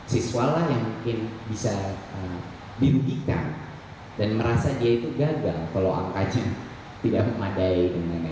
siswa lah yang mungkin bisa dirugikan dan merasa dia itu gagal kalau angkanya tidak memadai dan lain lain